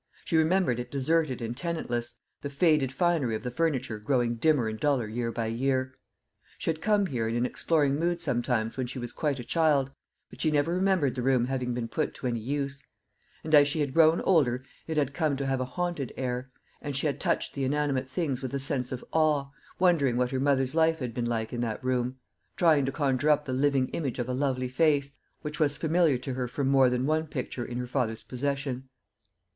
She remembered it deserted and tenantless, the faded finery of the furniture growing dimmer and duller year by year. She had come here in an exploring mood sometimes when she was quite a child, but she never remembered the room having been put to any use; and as she had grown older it had come to have a haunted air, and she had touched the inanimate things with a sense of awe, wondering what her mother's life had been like in that room trying to conjure up the living image of a lovely face, which was familiar to her from more than one picture in her father's possession.